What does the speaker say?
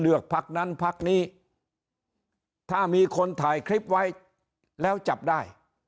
พักนั้นพักนี้ถ้ามีคนถ่ายคลิปไว้แล้วจับได้